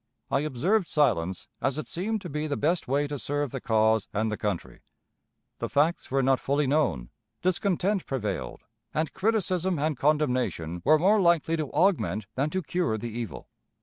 I observed silence, as it seemed to be the best way to serve the cause and the country. The facts were not fully known, discontent prevailed, and criticism and condemnation were more likely to augment than to cure the evil.